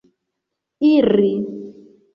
iri